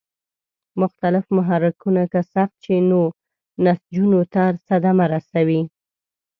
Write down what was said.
مختلف محرکونه که سخت شي نو نسجونو ته صدمه رسوي.